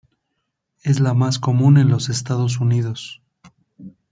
Es la más común en los Estados Unidos.